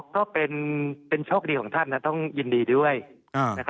ก็เป็นโชคดีของท่านนะต้องยินดีด้วยนะครับ